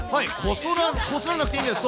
こすらなくていいんです。